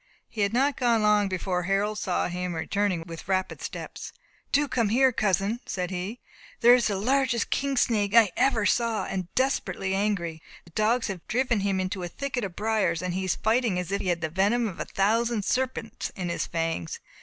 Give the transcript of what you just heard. He had not gone long, before Harold saw him returning with rapid steps. "Do come here, cousin," said he, "there is the largest king snake I ever saw, and desperately angry. The dogs have driven him into a thicket of briers, and he is fighting as if he had the venom of a thousand serpents in his fangs.